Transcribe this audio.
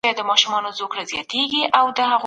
کوم عادتونه ذهني انعطاف او مقاومت لوړوي؟